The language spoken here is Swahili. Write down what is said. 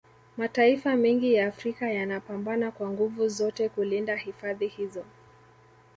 Mataifa mengi ya Afrika yanapambana kwa nguvu zote kulinda hifadhi hizo